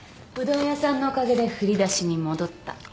うどん屋さんのおかげで振り出しに戻った。